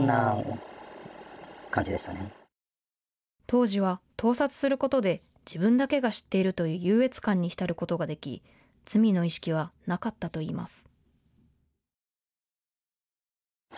当時は盗撮することで自分だけが知っているという優越感に浸ることができ罪の意識はなかったといいます。